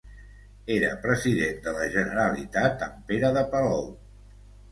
Era President de la Generalitat en Pere de Palou.